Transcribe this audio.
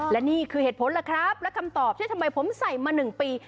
และนี่คือเหตุผลล่ะครับและคำตอบที่ทำไมผมใส่มา๑ปี